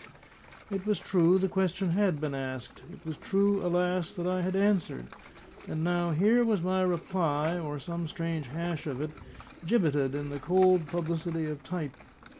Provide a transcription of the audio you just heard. It was true the question had been asked; it was true, alas! that I had answered; and now here was my reply, or some strange hash of it, gibbeted in the cold publicity of type.